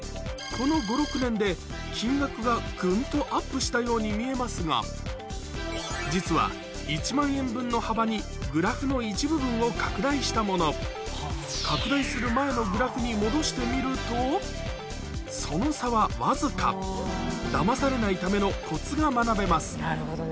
この５６年で金額がグンとアップしたように見えますが実は１万円分の幅にグラフの一部分を拡大したもの拡大する前のグラフに戻してみるとその差はわずかだまされないためのコツが学べます